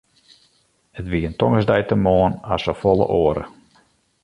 It wie in tongersdeitemoarn as safolle oare.